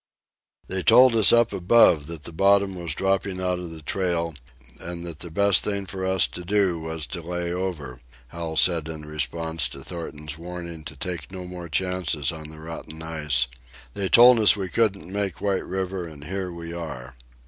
"They told us up above that the bottom was dropping out of the trail and that the best thing for us to do was to lay over," Hal said in response to Thornton's warning to take no more chances on the rotten ice. "They told us we couldn't make White River, and here we are."